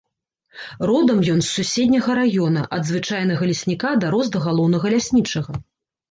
Родам ён з суседняга раёна, ад звычайнага лесніка дарос да галоўнага ляснічага.